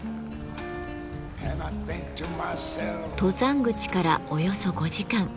登山口からおよそ５時間。